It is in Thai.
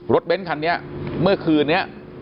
เบ้นคันนี้เมื่อคืนนี้